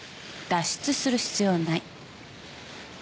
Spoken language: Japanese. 脱出する必要ない。